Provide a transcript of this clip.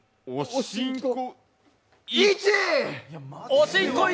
おしんこ１！